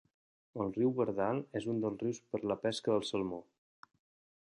El riu Verdal és un dels rius per a la pesca del salmó.